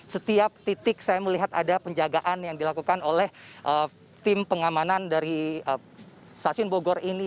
setiap titik saya melihat ada penjagaan yang dilakukan oleh tim pengamanan dari stasiun bogor ini